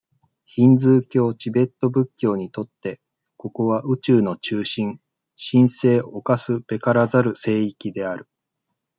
ヒンズー教、チベット仏教にとって、ここは、宇宙の中心、神聖侵すべからざる聖域である。